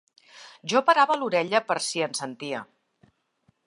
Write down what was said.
Jo parava l'orella per si en sentia